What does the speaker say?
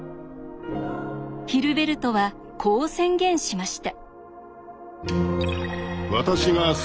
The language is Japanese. ヒルベルトはこう宣言しました。